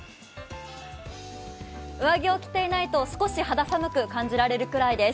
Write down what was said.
上着を着ていないと少し肌寒く感じられるくらいです。